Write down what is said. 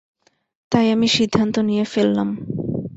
তাই আমি সিদ্ধান্ত নিয়ে ফেললাম।